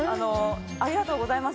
ありがとうございます。